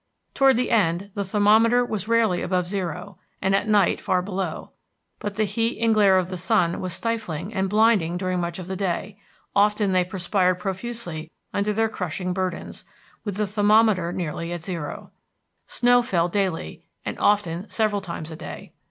Toward the end, the thermometer was rarely above zero, and at night far below; but the heat and glare of the sun was stifling and blinding during much of the day; often they perspired profusely under their crushing burdens, with the thermometer nearly at zero. Snow fell daily, and often several times a day.